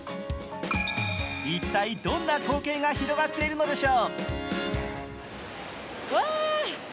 一体、どんな光景が広がっているのでしょう。